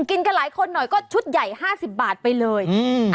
กินกันหลายคนหน่อยก็ชุดใหญ่ห้าสิบบาทไปเลยอืม